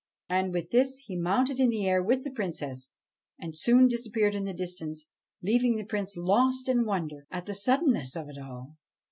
And with this he mounted in the air with the Princess, and soon disappeared in the distance, leaving the Prince lost in wonder at the suddenness of it all.